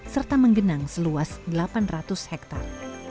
serta menggenang seluas delapan ratus hektare